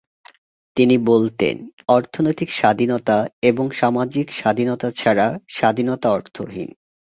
তিনি বলতেন-"অর্থনৈতিক স্বাধীনতা এবং সামাজিক স্বাধীনতা ছাড়া স্বাধীনতা অর্থহীন।"